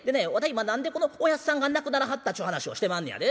今何でおやっさんが亡くならはったちゅう話をしてまんねやで。